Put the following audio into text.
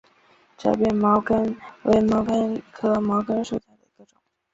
窄瓣毛茛为毛茛科毛茛属下的一个种。